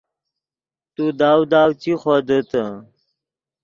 تو داؤ داؤ چی خودیتے